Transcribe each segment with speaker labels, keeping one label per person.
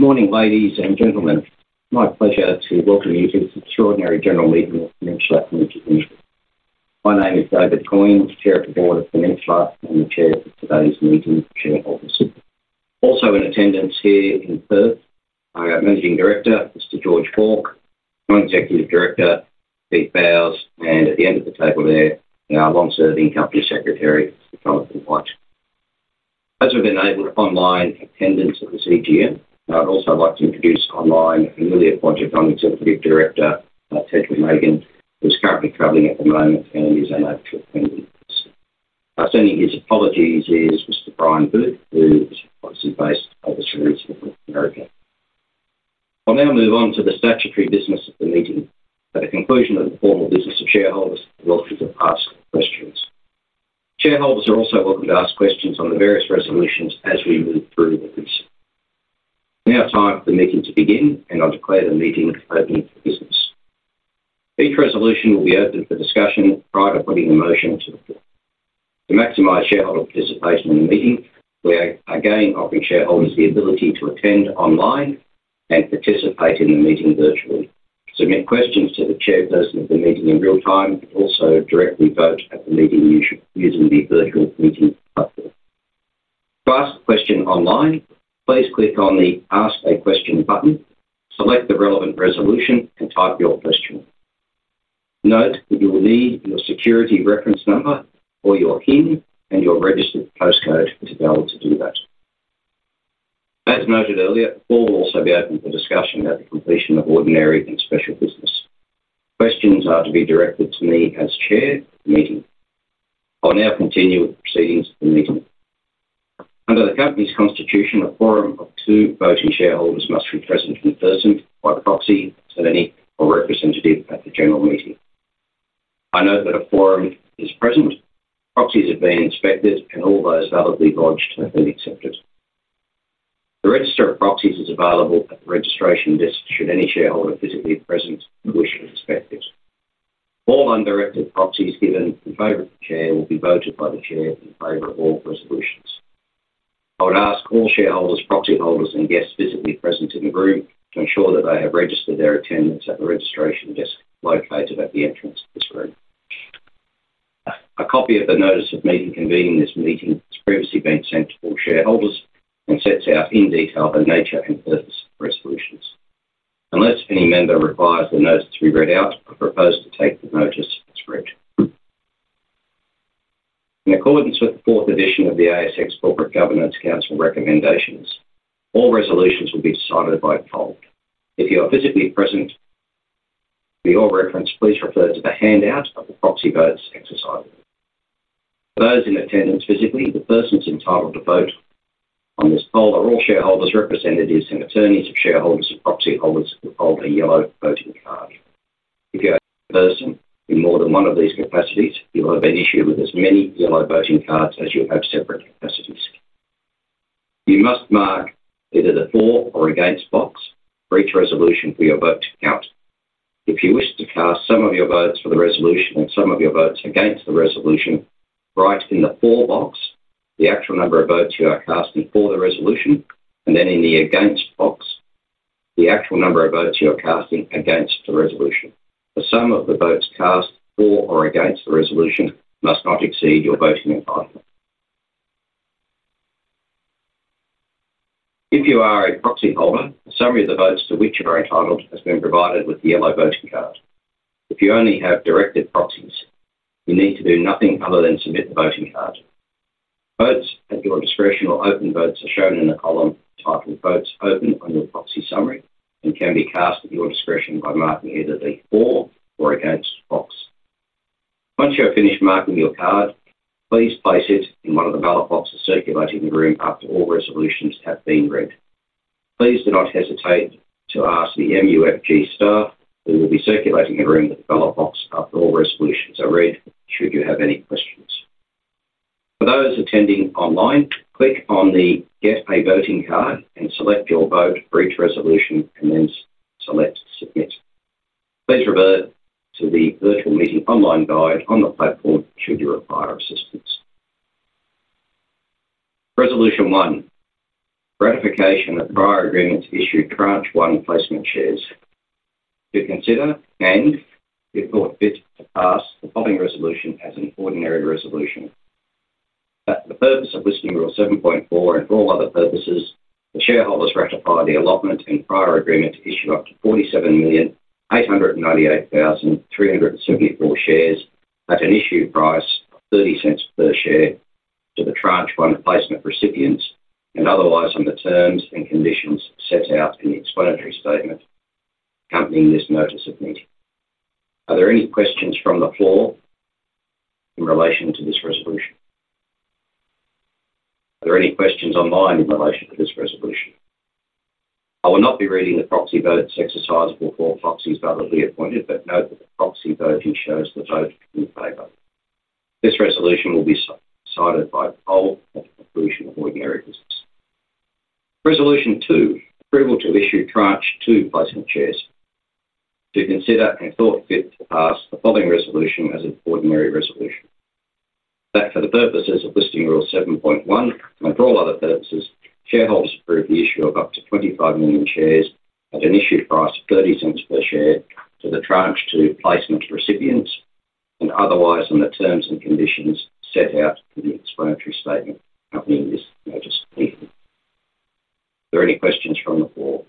Speaker 1: Morning, ladies and gentlemen. It's my pleasure to welcome you to this extraordinary general meeting of Peninsula Energy Ltd. My name is David Coyne, Chair of the Board of Peninsula, and Chair of today's meeting of shareholders. Also in attendance here in person are our Managing Director, Mr. George Bauk, our Executive Director, Steve Bowes, and at the end of the table there, our long-serving Country Secretary, Mr. Charles White. Those who have been able to attend online in attendance at the EGM, I'd also like to introduce online Emilia Bojack, our Executive Director, who is currently travelling at the moment and is allowed to attend. Also sending his apologies is Mr. Brian Booth, who is obviously based over in the United States. I'll now move on to the statutory business of the meeting. At the conclusion of the formal business of shareholders, we welcome you to ask questions. Shareholders are also welcome to ask questions on the various resolutions as we move through the business. We are now five of the meeting to begin, and I'll declare the meeting open for business. Each resolution will be open for discussion prior to putting a motion to the floor. To maximize shareholder participation in the meeting, we are again offering shareholders the ability to attend online and participate in the meeting virtually. Submit questions to the Chairperson of the meeting in real time, but also directly vote at the meeting using the virtual meeting platform. To ask a question online, please click on the 'Ask a Question' button. Select the relevant resolution and type your question. Note that you will need your security reference number or your PIN and your registered postcode to be able to do that. As noted earlier, the floor will also be open for discussion at the completion of ordinary and special business. Questions are to be directed to me as Chair of the meeting. I'll now continue with the proceedings of the meeting. Under the company's Constitution, a quorum of two voting shareholders must be present in person, by proxy, or representative at the general meeting. I note that a quorum is present, proxies have been inspected, and all those validly lodged have been accepted. The register of proxies is available at the registration desk should any shareholder physically be present, which is expected. All undirected proxies given to the Federated Chair will be voted by the Chair in favor of all resolutions. I would ask all shareholders, proxy holders, and guests physically present in the room to ensure that they have registered their attendance at the registration desk located at the entrance to the room. A copy of the notice of meeting convening this meeting has previously been sent to all shareholders and sets out in detail the nature and purpose of the resolutions. Unless any member requires the notice to be read out, I propose the take of notice of this room. In accordance with the fourth edition of the ASX Corporate Governance Council recommendations, all resolutions will be decided by poll. If you are physically present for your reference, please refer to the handout of the proxy votes exercise. For those in attendance physically, the persons entitled to vote on this poll are all shareholders represented as an attorney to shareholders and proxy holders who hold a yellow voting card. If you are a person in more than one of these capacities, you will have an issue with as many yellow voting cards as you have separate capacities. You must mark either the for or against box for each resolution for your vote to count. If you wish to cast some of your votes for the resolution and some of your votes against the resolution, write in the for box the actual number of votes you have cast for the resolution and then in the against box the actual number of votes you have cast against the resolution. The sum of the votes cast for or against the resolution must not exceed your voting entitlement. If you are a proxy holder, the sum of the votes to which you are entitled has been provided with the yellow voting card. If you only have directed proxies, you need to do nothing other than submit the voting card. Votes at your discretion or open votes are shown in the column titled 'Votes Open' on your proxy summary and can be cast at your discretion by marking either the for or against box. Once you have finished marking your card, please place it in one of the ballot boxes circulating the room after all resolutions have been read. Please do not hesitate to ask the MUFG staff who will be circulating the room with the ballot box after all resolutions are read, should you have any questions. For those attending online, click on the 'Get a Voting Card' and select your vote for each resolution and then select 'Submit'. Please refer to the virtual meeting online guide on the platform should you require assistance. Resolution one, ratification of prior agreements issued current one-placement shares. To consider and, if thought fit, ask holding resolution as an ordinary resolution. For the purpose of Listing Rule 7.4 and all other purposes, the shareholders ratify the allotment in prior agreement issued after 47,898,374 shares at an issue price of $0.30 per share to the current one-placement recipients and otherwise under terms and conditions set out in the explanatory statement accompanying this notice of meeting. Are there any questions from the floor in relation to this resolution? Are there any questions online in relation to this resolution? I will not be reading the proxy votes exercised before proxies are validly appointed, but note that the proxy voting shows the vote in favor. This resolution will be decided by the poll and will be included in the ordinary resolution. Resolution two, approval to issue current two placement shares. To consider and, if thought fit, ask the following resolution as an ordinary resolution. That for the purposes of Listing Rule 7.1 and for all other purposes, shareholders approve the issue of up to 25 million shares at an issue price of $0.30 per share to the current two placement recipients and otherwise under terms and conditions set out in the explanatory statement convening this meeting. Are there any questions from the floor?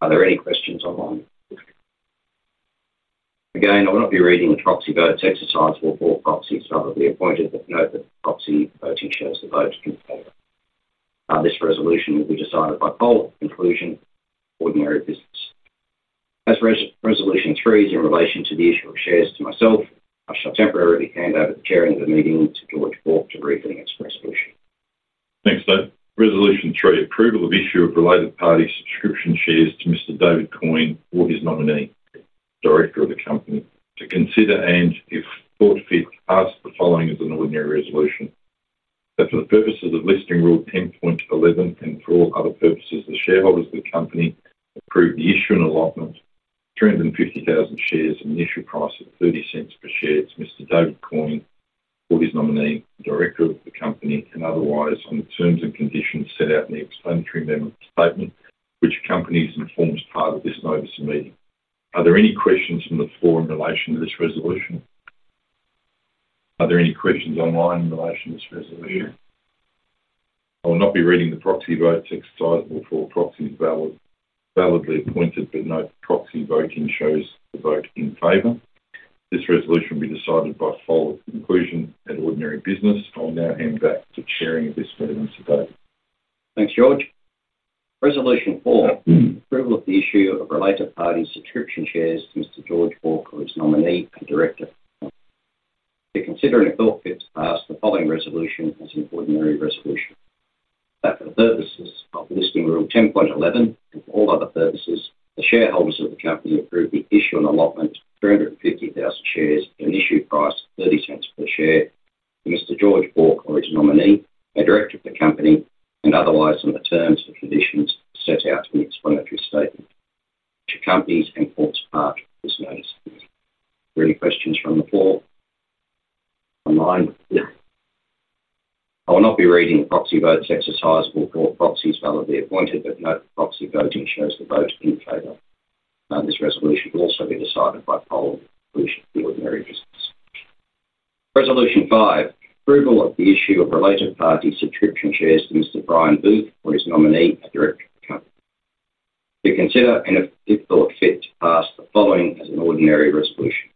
Speaker 1: Are there any questions online? Again, I will not be reading the proxy votes exercised for proxies validly appointed, but note that the proxy voting shows the vote in favor. This resolution will be decided by poll and conclusion ordinary business. As for resolution three in relation to the issue of shares to myself, I shall temporarily hand over the chairing of the meeting to George Bauk to read the next resolution.
Speaker 2: Thanks, David. Resolution three, approval of issue of related party subscription shares to Mr. David Coyne, or his nominee, Director of the company. To consider and, if thought fit, ask the following as an ordinary resolution. For the purpose of the Listing Rule 10.11 and for all other purposes, the shareholders of the company approve the issue and allotment of 250,000 shares at an issue price of $0.30 per share to Mr. David Coyne, or his nominee, Director of the company, and otherwise under terms and conditions set out in the explanatory statement which accompanies and forms part of this notice of meeting. Are there any questions from the floor in relation to this resolution? Are there any questions online in relation to this resolution? I will not be reading the proxy votes exercised before proxies validly appointed, but note the proxy voting shows the vote in favor. This resolution will be decided by poll and conclusion and ordinary business. I'll now hand back to chairing of this meeting to vote.
Speaker 1: Thanks, George. Resolution four, approval of the issue of related party subscription shares to Mr. George Bauk, or his nominee and Director. To consider and, if thought fit, ask the following resolution as an ordinary resolution. For the purposes of Listing Rule 10.11 and all other purposes, the shareholders of the company approve the issue and allotment of 250,000 shares at an issue price of $0.30 per share to Mr. George Bauk, or his nominee and Director of the company, and otherwise under terms and conditions set out in the explanatory statement, which accompanies and forms part of this notice. Are there any questions from the floor? Online? I will not be reading the proxy votes exercised before proxies validly appointed, but note proxy voting shows the vote in favor. This resolution will also be decided by poll and conclusion of ordinary business. Resolution five, approval of the issue of related party subscription shares to Mr. Brian Booth, or his nominee and Director of the company. To consider and, if thought fit, ask the following as an ordinary resolution.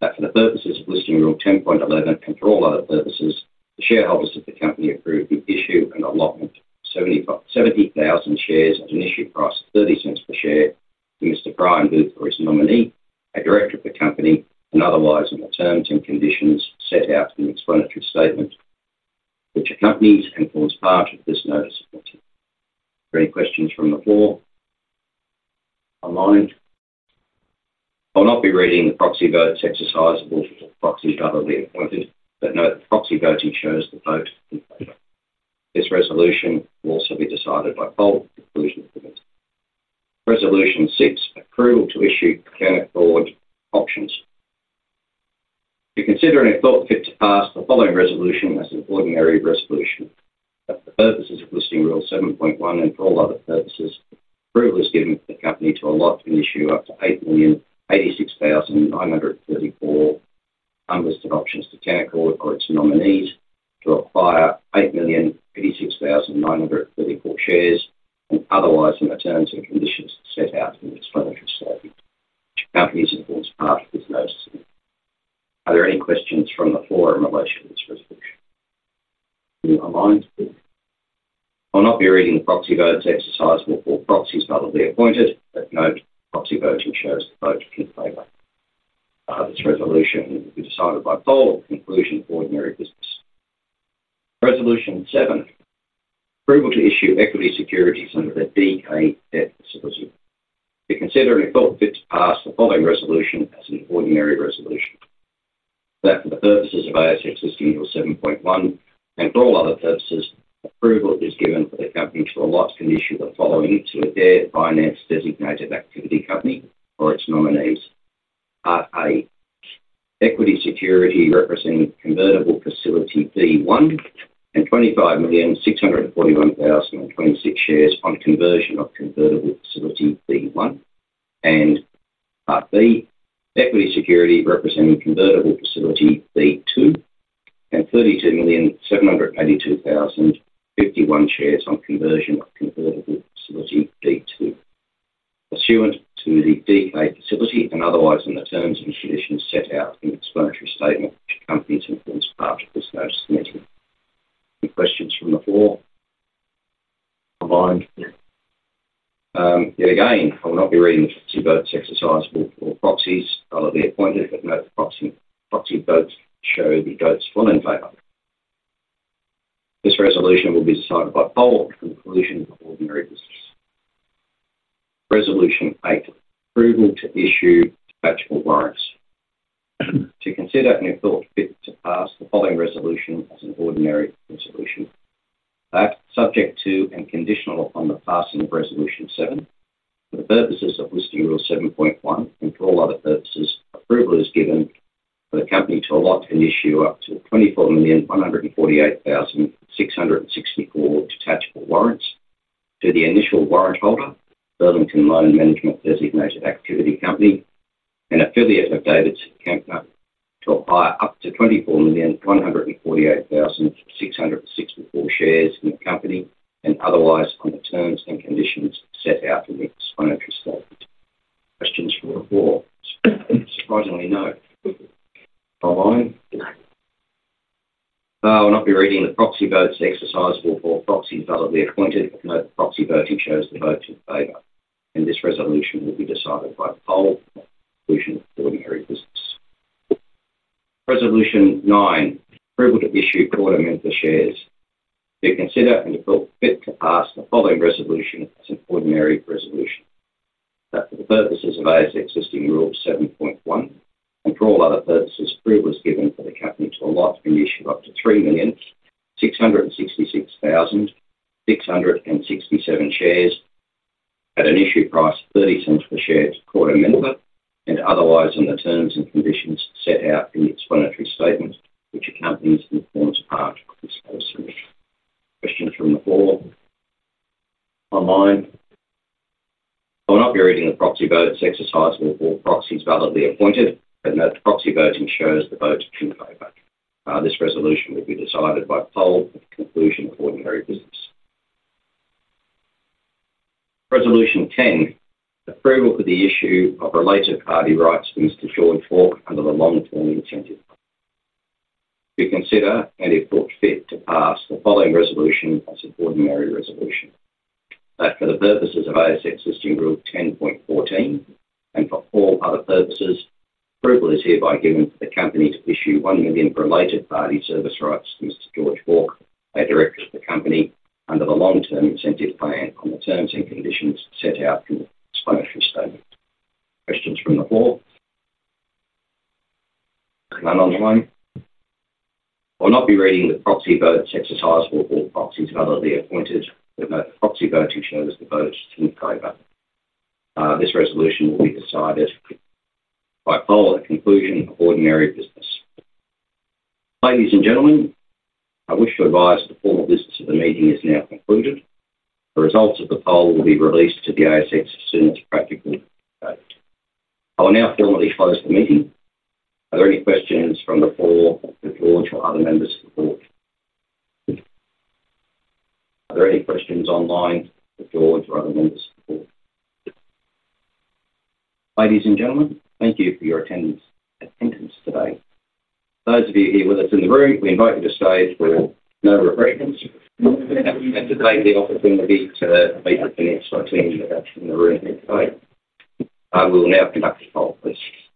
Speaker 1: For the purposes of Listing Rule 10.11 and for all other purposes, the shareholders of the company approve the issue and allotment of 70,000 shares at an issue price of $0.30 per share to Mr. Brian Booth, or his nominee and Director of the company, and otherwise under terms and conditions set out in the explanatory statement, which accompanies and forms part of this notice of meeting. Are there any questions from the floor? Online? I will not be reading the proxy votes exercised before proxies validly appointed, but note the proxy voting shows the vote in favor. This resolution will also be decided by poll and conclusion of the meeting. Resolution six, approval to issue current four options. To consider and, if thought fit, ask the following resolution as an ordinary resolution. For the purposes of Listing Rule 7.1 and for all other purposes, approval is given to the company to allot and issue 8,086,934 unlisted options to tackle the quotes and nominees who acquire 8,086,934 shares, otherwise under terms and conditions set out in the explanatory statement, and are visible to part of this notice. Are there any questions from the floor in relation to this resolution? I will not be reading the proxy votes exercised before proxies validly appointed, but note proxy voting shows the vote in favor. This resolution will be decided by poll and conclusion of ordinary business. Resolution seven, approval to issue of equity security funds at DEA Air Facility. To consider and thought fit, ask the following resolution as an ordinary resolution. That for the purposes of ASX Listing Rule 7.1 and for all other purposes, approval is given for the company to allot and issue as follows into a DEA Finance Designated Activity Company or its nominees. A, equity security representing convertible facility B1 and 25,649,026 shares on conversion of convertible facility B1. B, equity security representing convertible facility B2 and 32,782,051 shares on conversion of convertible facility B2. Pursuant to the DEA facility and otherwise under terms and conditions set out in the explanatory statement. Combined. Yet again, I will not be reading the proxy votes exercised before proxies are validly appointed, but note the proxy votes show the votes fully in favor. This resolution will be decided by poll and conclusion ordinary business. Resolution eight, approval to issue detachable warrants. To consider and thought fit, ask the following resolution as an ordinary resolution. That subject to and conditional on the passing of Resolution seven, for the purposes of Listing Rule 7.1 and for all other purposes, approval is given for the company to allot and issue up to 24,148,664 detachable warrants to the initial warrant holder, Burlington Loan & Management DAC, an affiliate of David's account, to acquire up to 24,148,664 shares in the company and otherwise under approval for the issue of related party rights for Mr. George Bauk under the long-term incentive fund. To consider and, if thought fit, to pass the following resolution as an ordinary resolution. That for the purposes of ASX Listing Rule 10.14 and for all other purposes, approval is hereby given for the company to issue 1 million related party service rights to Mr. George Bauk, a Director of the company, under the long-term incentive plan on the terms and conditions set out in the explanatory statement. Questions from the floor? None online. I will not be reading the proxy votes exercised before proxies validly appointed, but note the proxy voting shows the vote in favor. This resolution will be decided by poll and conclusion ordinary business. Ladies and gentlemen, I wish to advise that the formal business of the meeting is now concluded. The results of the poll will be released to the ASX listing to practical notes. I will now formally close the meeting. Are there any questions from the floor or other members? Are there any questions online, George, or other members? Ladies and gentlemen, thank you for your attendance and attendance today. For those of you here with us in the room, we invite you to stay for no regrets. You have been given today the opportunity to attend in the room. I will now conduct the poll questions.